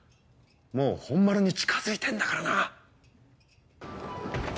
もう本丸に近づいてんだからな！